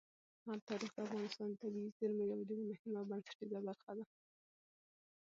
تاریخ د افغانستان د طبیعي زیرمو یوه ډېره مهمه او بنسټیزه برخه ده.